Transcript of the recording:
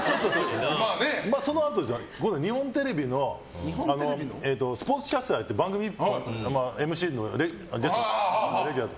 そのあと、日本テレビのスポーツキャスター番組ＭＣのレギュラー。